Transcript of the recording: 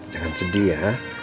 jangan sedih ya